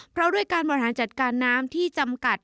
เพราะด้วยการบริหารจัดการน้ำที่จำกัด